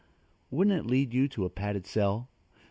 Wouldn't it lead you to a padded cell?